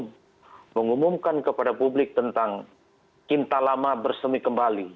untuk mengumumkan kepada publik tentang cinta lama bersemi kembali